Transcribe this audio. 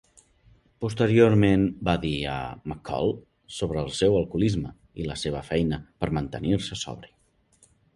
Posteriorment, va dir a "McCall" sobre el seu alcoholisme i la seva feina per mantenir-se sobri.